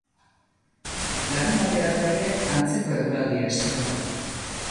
Larunbaterako ere, antzeko eguraldia espero da.